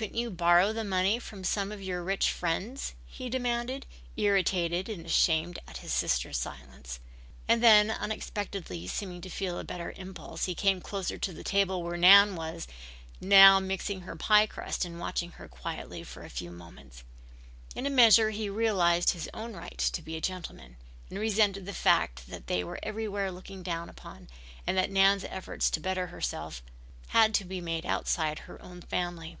"Couldn't you borrow the money from some of your rich friends?" he demanded, irritated and ashamed at his sister's silence. And then, unexpectedly, seeming to feel a better impulse, he came closer to the table where Nan was now mixing her pie crust and watched her quietly for a few moments. In a measure he realized his own right to be a gentleman, and resented the fact that they were everywhere looked down upon, and that Nan's efforts to better herself had to be made outside her own family.